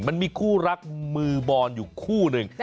มันมีคู่รักมือบอนอยู่คู่หนึ่ง